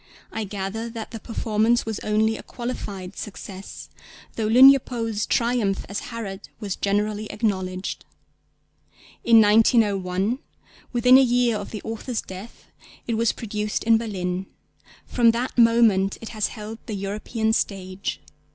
I gather that the performance was only a qualified success, though Lugne Poë's triumph as Herod was generally acknowledged. In 1901, within a year of the author's death, it was produced in Berlin; from that moment it has held the European stage.